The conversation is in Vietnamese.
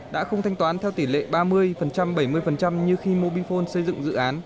đã không thanh toán theo tỷ lệ ba mươi bảy mươi như khi mobile phone xây dựng dự án